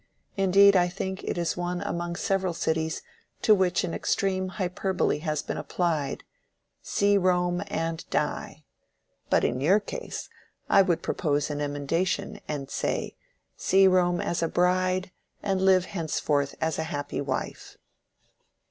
Indeed I think it is one among several cities to which an extreme hyperbole has been applied—'See Rome and die:' but in your case I would propose an emendation and say, See Rome as a bride, and live henceforth as a happy wife."